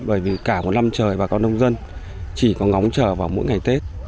bởi vì cả một năm trời bà con nông dân chỉ có ngóng chờ vào mỗi ngày tết